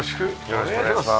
よろしくお願いします。